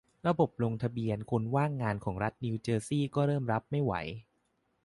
ระบบลงทะเบียนคนว่างงานของรัฐนิวเจอร์ซีย์ก็เริ่มรับไม่ไหว